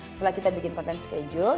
setelah kita bikin konten schedule